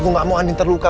gue gak mau andin terluka